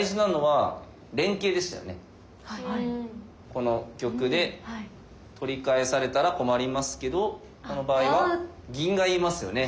この玉で取り返されたら困りますけどこの場合は銀がいますよね。